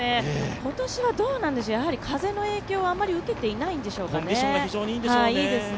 今年はどうなんでしょう風の影響をあまり受けていないんでしょうかね、コンディションがいいですね。